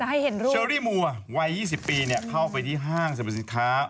จะให้เห็นรูปเชอรี่มัววัยยี่สิบปีเนี้ยเข้าไปที่ห้างสรรพสินค้า